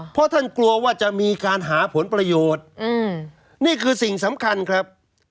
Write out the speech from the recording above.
เพราะท่านกลัวว่าจะมีการหาผลประโยชน์นี่คือสิ่งสำคัญครับ